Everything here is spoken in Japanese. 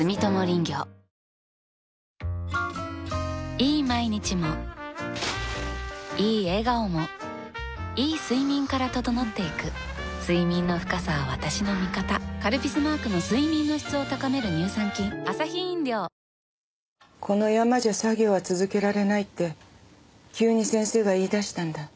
いい毎日もいい笑顔もいい睡眠から整っていく睡眠の深さは私の味方「カルピス」マークの睡眠の質を高める乳酸菌この山じゃ作業は続けられないって急に先生が言い出したんだ。